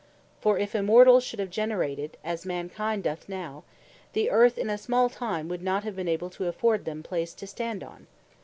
For if Immortals should have generated, as Mankind doth now; the Earth in a small time, would not have been able to afford them a place to stand on.